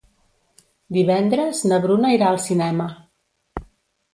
Divendres na Bruna irà al cinema.